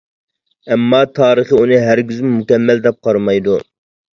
ئەمما تارىخى ئۇنى ھەرگىزمۇ مۇكەممەل دەپ قارىمايدۇ.